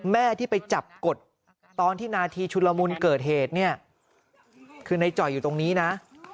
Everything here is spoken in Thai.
แม่ที่ไปจับกดตอนที่นาทีชุลมุนเกิดเหตุเนี่ยคือในจ่อยอยู่ตรงนี้นะ